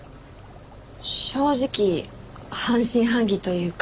正直半信半疑というか。